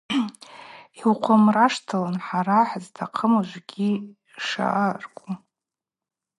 Йухъумраштылын хӏара хӏызтахъым ужвыгьи шаъаркӏву.